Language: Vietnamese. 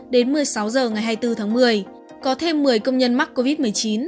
đến một mươi sáu h ngày hai mươi bốn tháng một mươi có thêm một mươi công nhân mắc covid một mươi chín